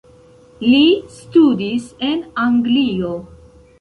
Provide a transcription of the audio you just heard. Li studis en Anglio.